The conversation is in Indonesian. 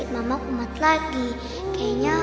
mama aku mau tidur lagi ya